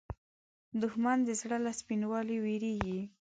دښمن د زړه له سپینوالي وېرېږي